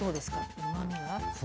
うまみは？